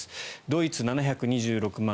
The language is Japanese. ドイツ、７２６万